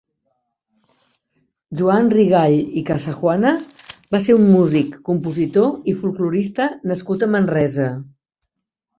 Joan Rigall i Casajuana va ser un músic, compositor i folklorista nascut a Manresa.